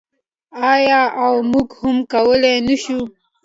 آیا او موږ هم کولی نشو؟